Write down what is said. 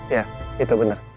iya itu bener